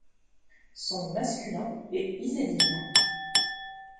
Son masculin est Izz-eddine.